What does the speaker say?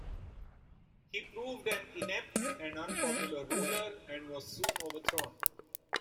He proved an inept and unpopular ruler and was soon overthrown.